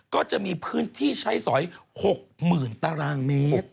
ก็จะมีพื้นที่ใช้สอย๖๐๐๐ตารางเมตร